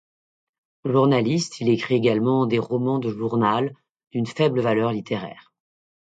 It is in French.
Journaliste, il écrit également des romans de journal d'une faible valeur littéraire.